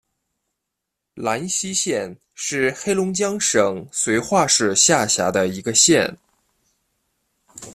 兰西县是黑龙江省绥化市下辖的一个县。